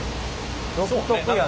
独特やね。